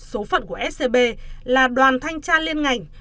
số phận của scb là đoàn thanh tra liên ngành